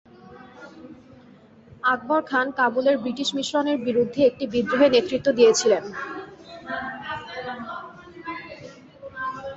আকবর খান কাবুলের ব্রিটিশ মিশনের বিরুদ্ধে একটি বিদ্রোহে নেতৃত্ব দিয়েছিলেন।